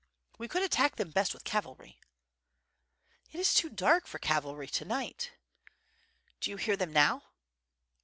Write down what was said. We could attack them best with cavalry." "It is too dark for cavalry to night." "Do you hear them now?"